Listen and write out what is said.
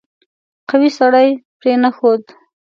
قوي سړی پرې نه ښود.